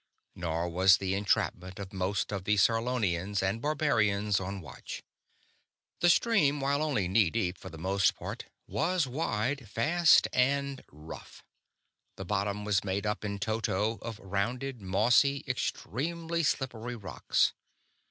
Nor was the entrapment of most of the Sarlonians and barbarians on watch. The stream, while only knee deep for the most part, was wide, fast, and rough; the bottom was made up in toto of rounded, mossy, extremely slippery rocks.